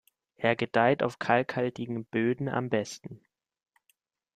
Er gedeiht auf kalkhaltigen Böden am besten.